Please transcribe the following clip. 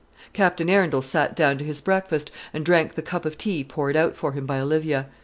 Captain Arundel sat down to his breakfast, and drank the cup of tea poured out for him by Olivia.